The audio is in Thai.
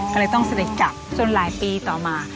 ก็เลยต้องเสด็จกลับจนหลายปีต่อมา